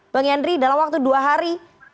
bang yandri dalam waktu dua hari